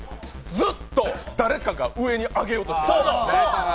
ずっと誰かが上に上げようとしてた。